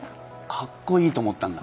かっこいいと思ったんだ。